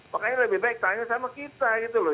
makanya lebih baik tanya sama kita gitu loh